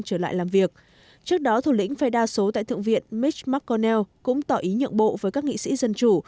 trước đó thủ lĩnh phe đa số tại thượng viện mitch mcconnell cũng tỏ ý nhượng bộ với các nghị sĩ dân chủ